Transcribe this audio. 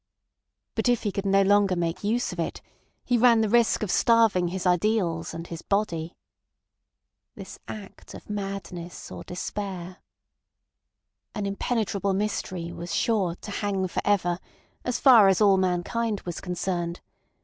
But if he could no longer make use of it, he ran the risk of starving his ideals and his body ... "This act of madness or despair." "An impenetrable mystery" was sure "to hang for ever" as far as all mankind was concerned.